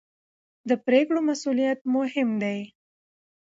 د پرېکړو مسوولیت مهم دی